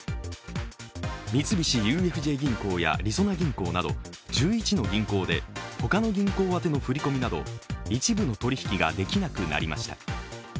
三菱ＵＦＪ銀行やりそな銀行など１１の銀行で他の銀行あての振り込みなど一部の取引ができなくなりました。